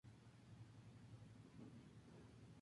Siguió una política internacional no alineada.